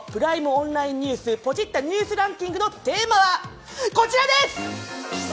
オンラインポチッたニュースランキングのテーマは、こちらです。